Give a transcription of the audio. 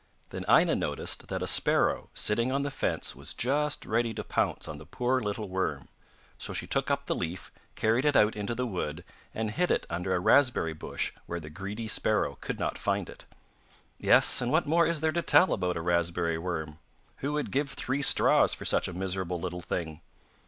Then Aina noticed that a sparrow sitting on the fence was just ready to pounce on the poor little worm, so she took up the leaf, carried it out into the wood and hid it under a raspberry bush where the greedy sparrow could not find it. Yes, and what more is there to tell about a raspberry worm? Who would give three straws for such a miserable little thing?